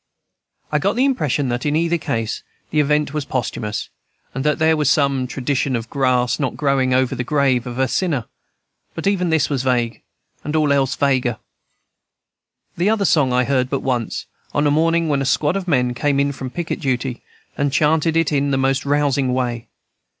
I got the impression that, in either case, the event was posthumous, and that there was some tradition of grass not growing over the grave of a sinner; but even this was vague, and all else vaguer. The other song I heard but once, on a morning when a squad of men came in from picket duty, and chanted it in the most rousing way.